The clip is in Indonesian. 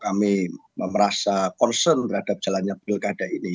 kami merasa concern terhadap jalannya pilkada ini